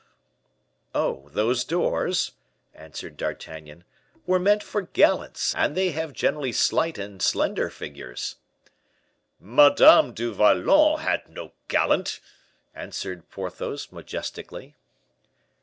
"Oh, those doors," answered D'Artagnan, "were meant for gallants, and they have generally slight and slender figures." "Madame du Vallon had no gallant!" answered Porthos, majestically.